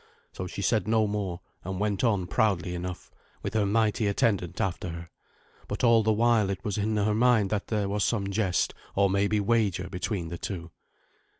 So she said no more, and went on proudly enough, with her mighty attendant after her; but all the while it was in her mind that there was some jest, or maybe wager, between the two.